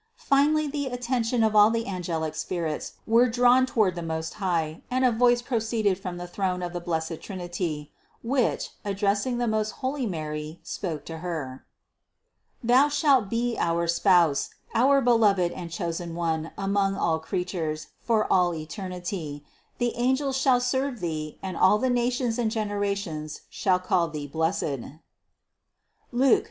Finally the attention of all the angelic spirits was drawn toward the Most High and a voice proceeded from the throne of the blessed Trinity, which, addressing the most holy Mary, spoke to Her: "Thou shalt be our Spouse, our beloved and chosen One among all creatures for all eternity; the angels shall serve thee and all the nations and generations shall call thee blessed" (Luc.